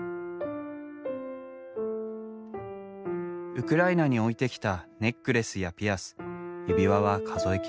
ウクライナに置いてきたネックレスやピアス指輪は数え切れない。